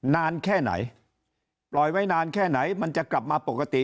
นานแค่ไหนปล่อยไว้นานแค่ไหนมันจะกลับมาปกติ